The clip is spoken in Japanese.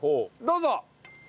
どうぞ！